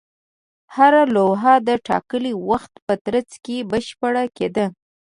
هره لوحه د ټاکلي وخت په ترڅ کې بشپړه کېده.